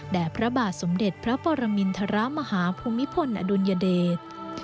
พระบาทสมเด็จพระปรมินทรมาฮภูมิพลอดุลยเดช